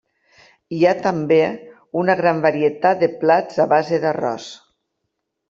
Hi ha també una gran varietat de plats a base d'arròs.